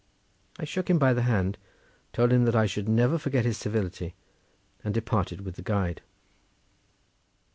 I shook him by the hand, told him that I should never forget his civility, and departed with the guide.